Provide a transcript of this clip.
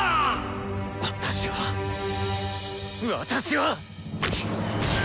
私は私は！